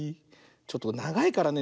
ちょっとながいからね